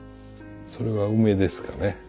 それは梅ですかね。